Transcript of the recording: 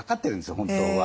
本当は。